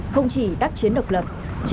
không chỉ tác chiến độc lập